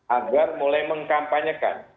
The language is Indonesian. agar mulai mengkampanyekan